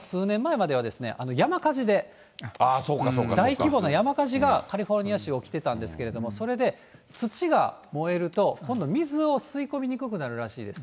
大規模な山火事がカリフォルニア州は起きてたんですけれども、それで土が燃えると、今度、水を吸い込みにくくなるらしいです。